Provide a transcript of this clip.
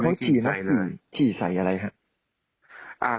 คือเขาฉี่ใส่อะไรครับ